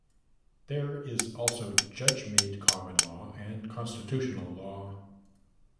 There is also judge-made common law and constitutional law.